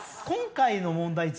今回の問題